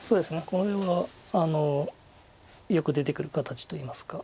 これはよく出てくる形といいますか。